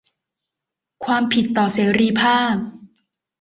ความผิดต่อเสรีภาพ